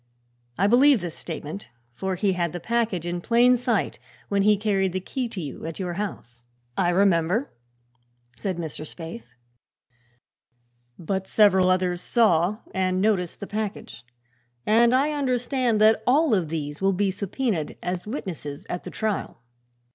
I believe this statement, for he had the package in plain sight when he carried the key to you, at your house." "I remember," said Mr. Spaythe. "But several others saw and noticed the package, and I understand that all of these will be subpœnaed as witnesses at the trial."